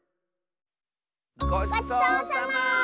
ごちそうさま！